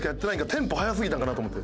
テンポ速すぎたんかなと思って。